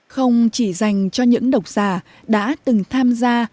không chỉ dành cho những độc giả đã từng tham gia